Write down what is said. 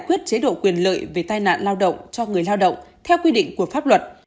giải quyết chế độ quyền lợi về tai nạn lao động cho người lao động theo quy định của pháp luật